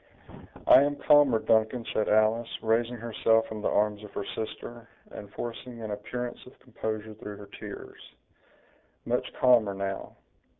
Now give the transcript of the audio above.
"I am calmer, Duncan," said Alice, raising herself from the arms of her sister, and forcing an appearance of composure through her tears; "much calmer, now.